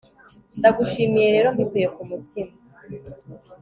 ndagushimiye rero, mbikuye ku mutima